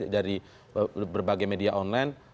dari berbagai media online